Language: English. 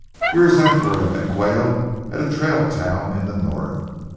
Years afterward I met Quayle at a trail town in the north.